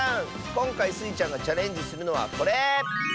こんかいスイちゃんがチャレンジするのはこれ！